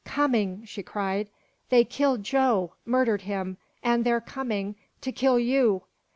coming!" she cried. "They killed Joe murdered him and they're coming to kill you!"